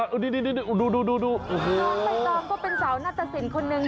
ดูโอ้โฮล้อมก็เป็นสาวนาฏศิลป์คนนึง